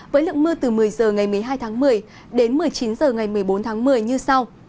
với lượng mưa từ một mươi h ngày một mươi hai tháng một mươi đến một mươi chín h ngày một mươi bốn tháng một mươi như sau